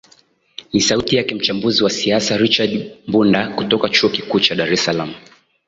ni sauti yake mchambuzi wa siasa richard mbunda kutoka chuo kikuu cha dar salaam